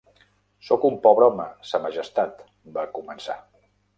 "Soc un pobre home, sa Majestat", va començar.